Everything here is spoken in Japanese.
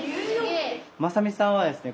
正己さんはですね